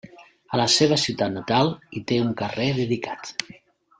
A la seva ciutat natal hi té un carrer dedicat.